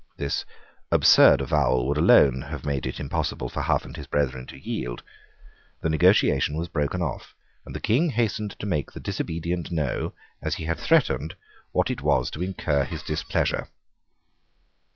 This absurd avowal would alone have made it impossible for Hough and his brethren to yield. The negotiation was broken off; and the King hastened to make the disobedient know, as he had threatened, what it was to incur his displeasure.